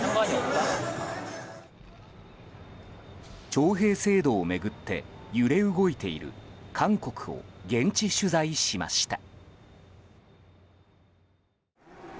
徴兵制度を巡って揺れ動いている韓国を現地取材しました。